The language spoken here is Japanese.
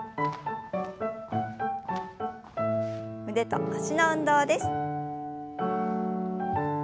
腕と脚の運動です。